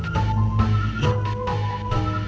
saya akan cerita soal ini